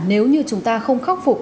nếu như chúng ta không khắc phục